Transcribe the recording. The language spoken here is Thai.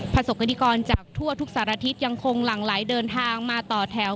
ประสบกรณิกรจากทั่วทุกสารทิศยังคงหลั่งไหลเดินทางมาต่อแถว